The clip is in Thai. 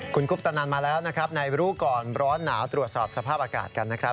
คุณคุปตนันมาแล้วนะครับในรู้ก่อนร้อนหนาวตรวจสอบสภาพอากาศกันนะครับ